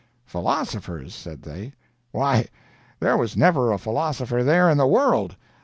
"Philosophers?" said they; "why, there was never a philosopher there in the world!